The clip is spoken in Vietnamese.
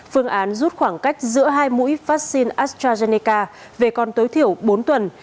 phương án rút khoảng cách giữa hai mũi vaccine astrazeneca về còn tối thiểu bốn tuần